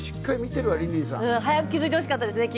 早く気付いてほしかったですね